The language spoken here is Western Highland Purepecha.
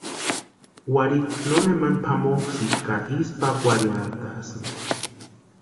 Warhikwa nonemani pʼamokʼusïnti ka isï pákwarhiantasïnti.